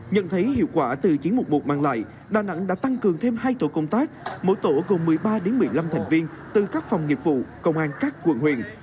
nhận thấy hiệu quả từ chín trăm một mươi một mang lại đà nẵng đã tăng cường thêm hai tổ công tác mỗi tổ gồm một mươi ba một mươi năm thành viên từ các phòng nghiệp vụ công an các quận huyện